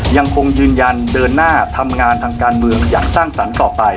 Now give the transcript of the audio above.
ยังคงยืนยันเดินหน้าทำงานทางการเมืองอย่างสร้างสรรค์ต่อไป